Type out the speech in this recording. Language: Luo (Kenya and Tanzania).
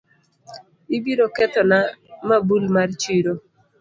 Ibiro kethona mabul mar chiro